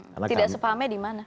tidak sepahamnya di mana